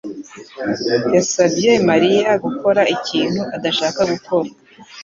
yasabye Mariya gukora ikintu adashaka gukora.